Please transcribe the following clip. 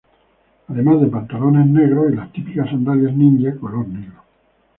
Además de pantalones negros y las típicas sandalias ninja color negro.